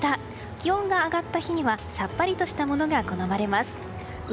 気温が上がった日にはさっぱりとしたものが好まれます。